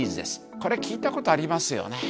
これ、聞いたことありますよね。